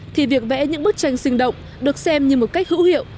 thì việc vẽ những bức tranh sinh động được xem như một cách hữu hiệu